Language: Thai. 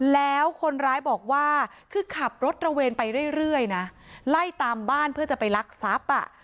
แล้วคนร้ายบอกว่าคือขับรถระเวนไปเรื่อยนะไล่ตามบ้านเพื่อจะไปลักทรัพย์อ่ะ